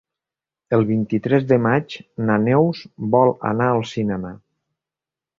El vint-i-tres de maig na Neus vol anar al cinema.